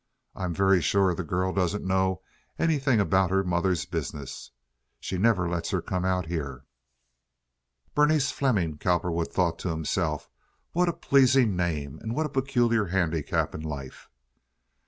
I'm very sure the girl doesn't know anything about her mother's business. She never lets her come out here." "Berenice Fleming," Cowperwood thought to himself. "What a pleasing name, and what a peculiar handicap in life."